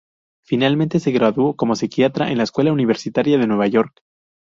Finalmente se graduó como psiquiatra en la escuela universitaria de Nueva York.